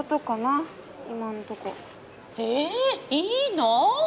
いいの？